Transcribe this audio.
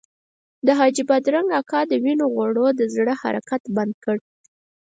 د حاجي بادرنګ اکا د وینو غوړو د زړه حرکت بند کړ.